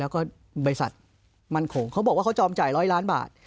แล้วก็บริษัทมั่นโขงเขาบอกว่าเขาจอมจ่าย๑๐๐ล้านบาท